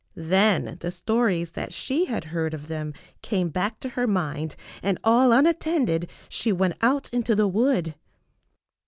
Then the stories that she had heard of them came back to her mind, and all unat tended she went out into the wood.